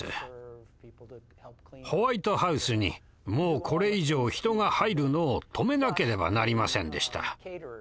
ホワイトハウスにもうこれ以上人が入るのを止めなければなりませんでした。